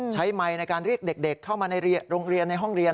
ไมค์ในการเรียกเด็กเข้ามาในโรงเรียนในห้องเรียน